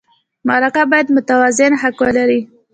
مرکه باید متوازن حق ولري.